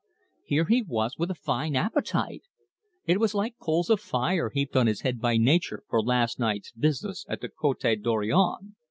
Here he was with a fine appetite: it was like coals of fire heaped on his head by Nature for last night's business at the Cote Dorion.